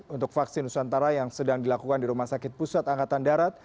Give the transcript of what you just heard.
untuk vaksin nusantara yang sedang dilakukan di rumah sakit pusat angkatan darat